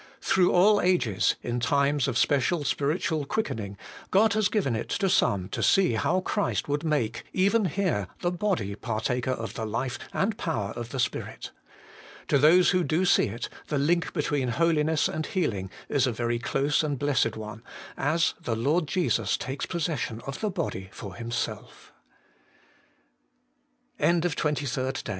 Through all ages, In times of special spiritual quickening, God has given It to some to see how Christ would make, even here, the body partaker of the life and power of the Spirit. To those who do see It, the link between Holiness and Healing Is a very close and blessed one, OM the Lord Jesus takes po